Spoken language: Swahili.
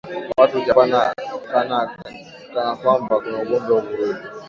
Watu huchapana kana kambwa kuna ugomvi au vurugu